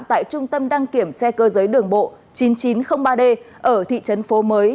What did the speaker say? tại trung tâm đăng kiểm xe cơ giới đường bộ chín nghìn chín trăm linh ba d ở thị trấn phố mới